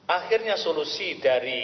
akhirnya solusi dari